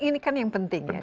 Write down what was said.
ini kan yang penting ya